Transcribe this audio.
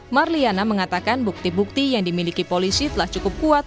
marliana mengatakan bukti bukti yang dimiliki polisi telah cukup kuat